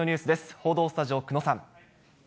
報道スタジオ、久野さん。